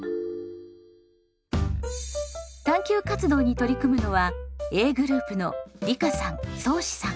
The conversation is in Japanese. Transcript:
探究活動に取り組むのはＡグループのりかさん